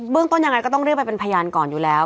เบื้องต้นยังไงก็ต้องเลื่อนไปเป็นพยานก่อนอยู่แล้ว